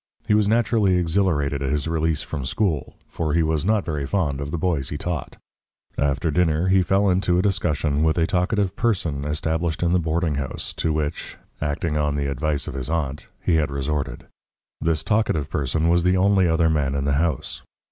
He was naturally exhilarated at his release from school for he was not very fond of the boys he taught. After dinner he fell into a discussion with a talkative person established in the boarding house to which, acting on the advice of his aunt, he had resorted. This talkative person was the only other man in the house.